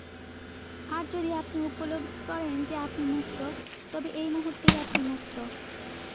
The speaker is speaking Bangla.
আর যদি আপনি উপলব্ধি করেন যে আপনি মুক্ত, তবে এই মুহূর্তেই আপনি মুক্ত।